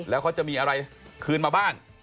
แล้วเขาจะมีอะไรคืนมาบ้าง